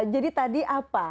jadi terima kasih